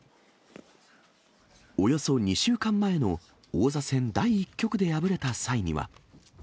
およそ２週間前の王座戦第１局で敗れた際には。